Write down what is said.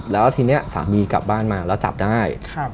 แล้วทีนี้สามีกลับบ้านมาแล้วจับได้